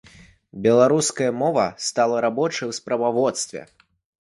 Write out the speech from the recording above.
Беларуская мова стала рабочай і ў справаводстве.